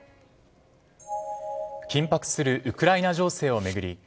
緊迫するウクライナ情勢を巡り